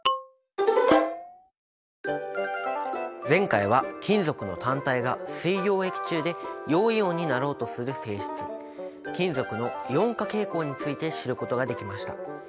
前回は金属の単体が水溶液中で陽イオンになろうとする性質金属のイオン化傾向について知ることができました。